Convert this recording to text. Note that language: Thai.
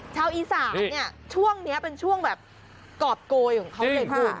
ชาวอีสานเนี่ยช่วงนี้เป็นช่วงแบบกรอบโกยของเขาเลยคุณ